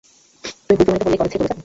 তুমি ভুল প্রমাণিত হলে কলেজ ছেড়ে চলে যাবে?